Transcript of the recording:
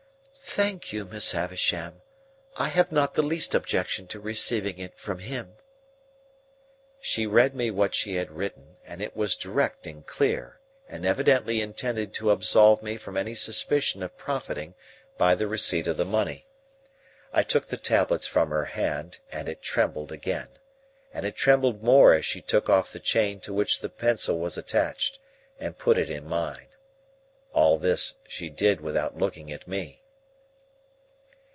"Thank you, Miss Havisham; I have not the least objection to receiving it from him." She read me what she had written; and it was direct and clear, and evidently intended to absolve me from any suspicion of profiting by the receipt of the money. I took the tablets from her hand, and it trembled again, and it trembled more as she took off the chain to which the pencil was attached, and put it in mine. All this she did without looking at me.